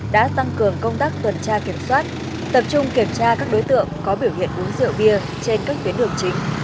đã tăng cường công tác tuần tra kiểm soát tập trung kiểm tra các đối tượng có biểu hiện uống rượu bia trên các tuyến đường chính